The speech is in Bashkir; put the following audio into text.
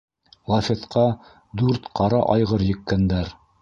Лафетҡа дүрт ҡара айғыр еккәндәр.